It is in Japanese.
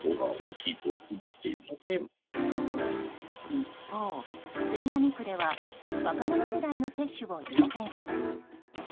一方、杉並区では若者世代の接種を優先します。